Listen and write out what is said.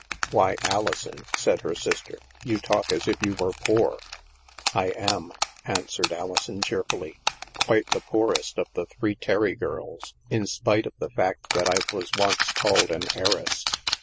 " Why, Alison," said her sister, " you talk as if you were poor." " I am," answered Alison cheerfully. " Quite the poorest of the three Terry girls, in spite of the fact that I was once called an heiress."